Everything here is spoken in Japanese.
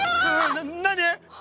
な何？